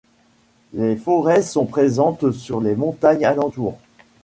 Les forêts sont présentes sur les montagnes alentour.